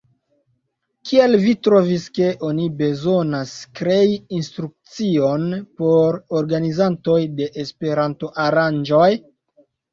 Kial vi trovis, ke oni bezonas krei instrukcion por organizantoj de Esperanto-aranĝoj?